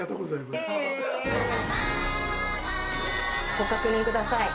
ご確認ください。